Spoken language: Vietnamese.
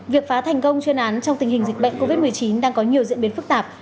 việc phá thành công chuyên án trong tình hình dịch bệnh covid một mươi chín đang có nhiều diễn biến phức tạp